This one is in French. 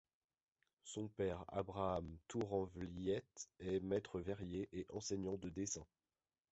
Son père Abraham Toorenvliet est maître-verrier et enseignant de dessin.